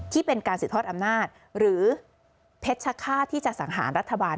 ที่เป็นการสืบทอดอำนาจหรือเพชรฆาตที่จะสังหารรัฐบาล